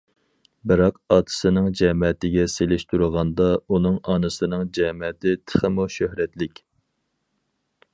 بىراق ئاتىسىنىڭ جەمەتىگە سېلىشتۇرغاندا، ئۇنىڭ ئانىسىنىڭ جەمەتى تېخىمۇ شۆھرەتلىك.